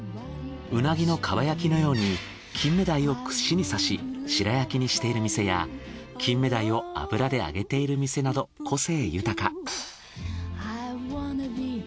うなぎの蒲焼きのようにキンメダイを串に刺し白焼きにしている店やキンメダイを油で揚げている店など個性豊か。